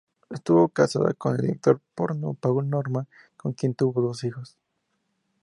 Estuvo casada con el director porno Paul Norman, con quien tuvo dos hijos.